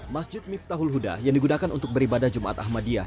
masjid miftahul huda yang digunakan untuk beribadah jumat ahmadiyah